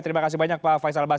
terima kasih banyak pak faisal bas